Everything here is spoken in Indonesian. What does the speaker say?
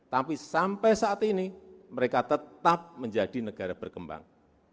tapi sampai saat ini mereka tetap menjadi negara berkembang